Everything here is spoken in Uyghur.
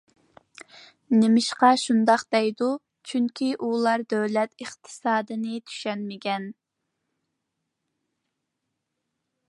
نېمىشقا شۇنداق دەيدۇ؟ چۈنكى ئۇلار دۆلەت ئىقتىسادىنى چۈشەنمىگەن.